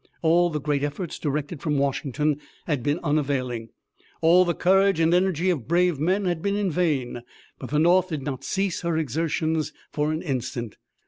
All the great efforts directed from Washington had been unavailing. All the courage and energy of brave men had been in vain. But the North did not cease her exertions for an instant.